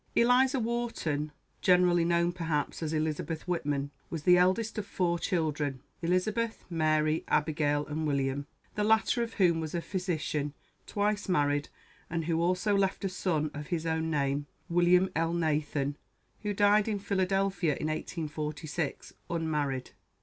"Eliza Wharton," generally known, perhaps, as Elizabeth Whitman, was the eldest of four children Elizabeth, Mary, Abigail, and William; the latter of whom was a physician, twice married, and who also left a son of his own name, (William Elnathan,) who died in Philadelphia in 1846, unmarried.